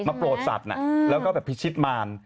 มาโปรดศัตรูแล้วก็ภิชิษฐรรมล์